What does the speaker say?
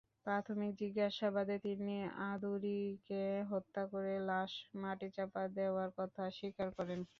প্রাথমিক জিজ্ঞাসাবাদে তিনি আদুরীকে হত্যা করে লাশ মাটিচাপা দেওয়ার কথা স্বীকার করেন।